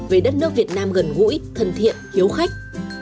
về đất nước việt nam gần gũi thân thiện hiếu khách